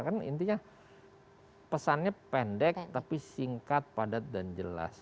kan intinya pesannya pendek tapi singkat padat dan jelas